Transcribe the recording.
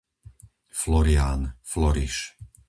Florián, Floriš